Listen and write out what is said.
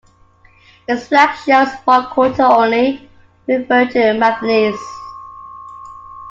Its flag shows one quarter only, referring to Mathenesse.